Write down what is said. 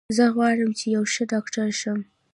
زه غواړم چې یو ښه ډاکټر شم